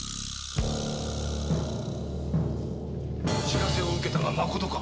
報せを受けたがまことか？